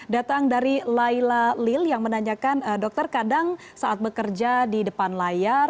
datang dari layla lil yang menanyakan dokter kadang saat bekerja di depan layar